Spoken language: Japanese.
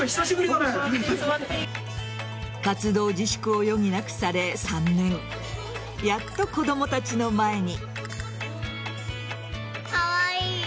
活動自粛を余儀なくされ３年やっと子供たちの前に。